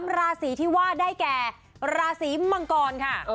ราศีที่ว่าได้แก่ราศีมังกรค่ะ